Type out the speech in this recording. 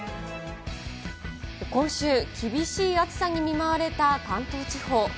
今週、厳しい暑さに見舞われた関東地方。